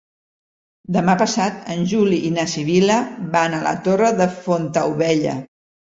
Demà passat en Juli i na Sibil·la van a la Torre de Fontaubella.